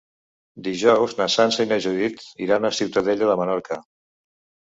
Dijous na Sança i na Judit iran a Ciutadella de Menorca.